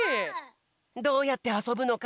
どうやってあそぶのか